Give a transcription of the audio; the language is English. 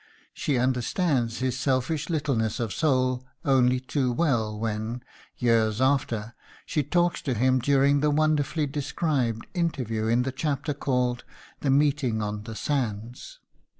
She understands his selfish littleness of soul only too well when, years after, she talks to him during that wonderfully described interview in the chapter called "The Meeting on the Sands."